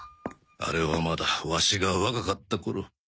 あれはまだワシが若かった頃。